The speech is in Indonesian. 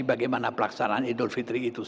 bagaimana pelaksanaan idul fitri itu